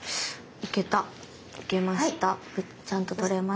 行けました。